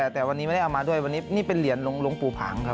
แต่วันนี้ไม่ได้เอามาด้วยวันนี้นี่เป็นเหรียญหลวงปู่ผางครับ